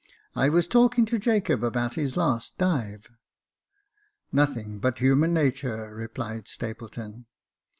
" I was talking to Jacob about his last dive." " Nothing but human natur," replied Stapleton.